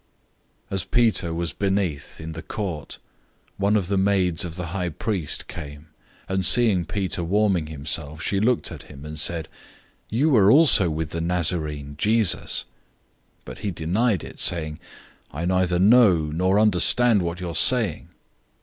014:066 As Peter was in the courtyard below, one of the maids of the high priest came, 014:067 and seeing Peter warming himself, she looked at him, and said, "You were also with the Nazarene, Jesus!" 014:068 But he denied it, saying, "I neither know, nor understand what you are saying."